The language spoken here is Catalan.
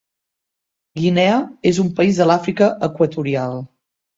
Guinea és un país de l'Àfrica equatorial.